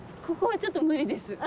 ここはちょっと無理です。